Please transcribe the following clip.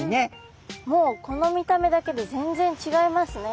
もうこの見た目だけで全然ちがいますね。